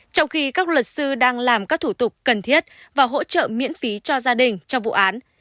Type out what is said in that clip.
trong khi các luật sư đang làm các thủ tục cần thiết và hỗ trợ miễn phí cho gia đình trong vụ án